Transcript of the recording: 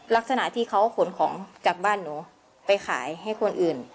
ลักษณะที่เขาขนของจากบ้านหนูไปขายให้คนอื่น